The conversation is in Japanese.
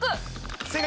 正解！